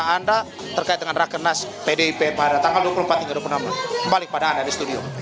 anda terkait dengan rakenas pdip pada tanggal dua puluh empat hingga dua puluh enam kembali kepada anda di studio